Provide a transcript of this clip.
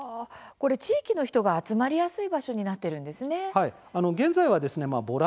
地域の人が集まりやすい場所になっているんですね。